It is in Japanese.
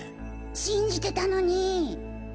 信じてたのに。